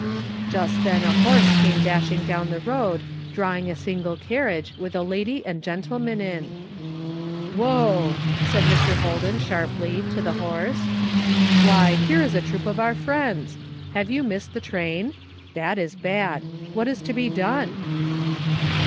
Just then a horse came dashing down the road drawing a single carriage with a lady and gentleman in. " Whoa !" said Mr. Holden sharply, to the horse. " Why, here is a troop of our friends. Have you missed the train? That is bad.. What is to be done